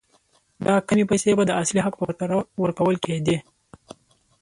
دا کمې پیسې به د اصلي حق په پرتله ورکول کېدې.